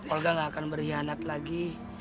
olga gak akan berkhianat lagi